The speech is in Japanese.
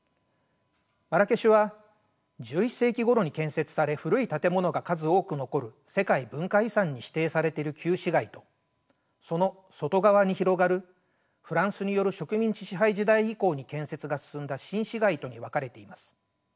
マラケシュは１１世紀ごろに建設され古い建物が数多く残る世界文化遺産に指定されている旧市街とその外側に広がるフランスによる植民地支配時代以降に建設が進んだ新市街とに分かれています。